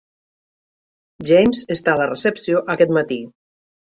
James està a la recepció aquest matí